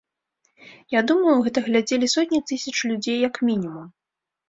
Я думаю, гэта глядзелі сотні тысяч людзей як мінімум.